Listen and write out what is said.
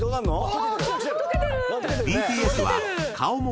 どうなんの？